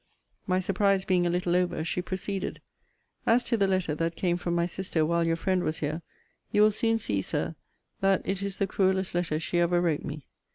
My surprise being a little over, she proceeded: As to the letter that came from my sister while your friend was here, you will soon see, Sir, that it is the cruellest letter she ever wrote me.